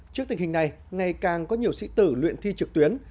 trước tình hình này ngày càng có nhiều sĩ tử luyện thi trực tuyến